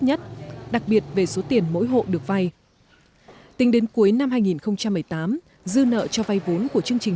nhất đặc biệt về số tiền mỗi hộ được vay tính đến cuối năm hai nghìn một mươi tám dư nợ cho vay vốn của chương trình